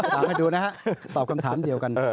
ฟังให้ดูนะฮะตอบคำถามเดียวกัน